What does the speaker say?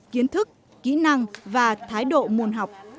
kiến thức kỹ năng và thái độ môn học